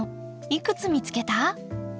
いくつ見つけた？